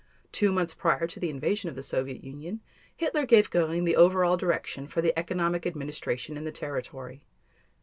Two months prior to the invasion of the Soviet Union, Hitler gave Göring the over all direction for the economic administration in the territory.